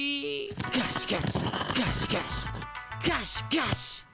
ガシガシガシガシガシガシ。